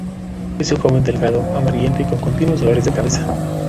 Es un joven delgado, amarillento y con continuos dolores de cabeza.